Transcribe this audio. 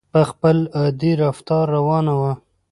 په خپل عادي رفتار روانه وه.